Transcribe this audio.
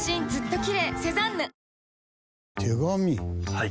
はい。